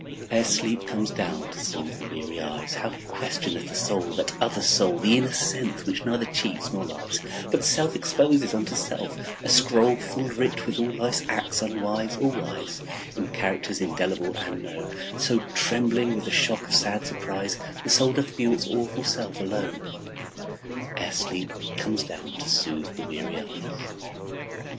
Ere sleep comes down to soothe the weary eyes, How questioneth the soul that other soul, The inner sense which neither cheats nor lies, But self exposes unto self, a scroll Full writ with all life's acts unwise or wise, In characters indelible and known; So, trembling with the shock of sad surprise, The soul doth view its awful self alone, Ere sleep comes down to soothe the weary eyes.